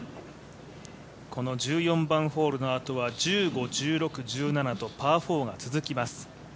この４番ホ−ルのあとは１５、１６、１７はパー４が続きます。